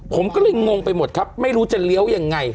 ผมก็เลยงงไปหมดครับไม่รู้จะเลี้ยวยังไง